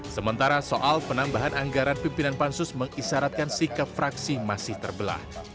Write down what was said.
sementara soal penambahan anggaran pimpinan pansus mengisaratkan sikap fraksi masih terbelah